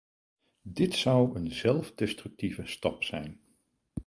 Dit zou een zelfdestructieve stap zijn.